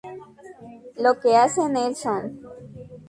Lo que hace Nelson.